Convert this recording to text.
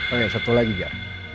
oke satu lagi biar